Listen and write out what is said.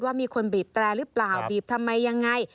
ว่ามีคนบีบแตรรึเปล่าบีบทำไมอย่างไร